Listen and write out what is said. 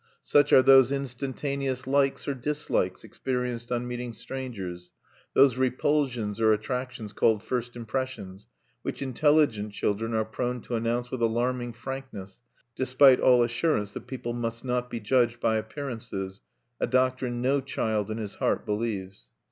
Such are those instantaneous likes or dislikes experienced on meeting strangers, those repulsions or attractions called "first impressions," which intelligent children are prone to announce with alarming frankness, despite all assurance that "people must not be judged by appearances": a doctrine no child in his heart believes.